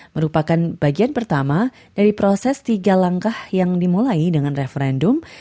merupakan bagian pertama dari proses tiga langkah yang dimulai dengan referendum